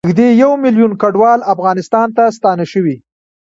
نږدې یوه میلیون کډوال افغانستان ته ستانه شوي